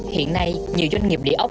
hiện nay nhiều doanh nghiệp địa ốc